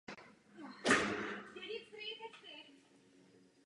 V řece a jejím okolí je rozmanitá fauna a flóra.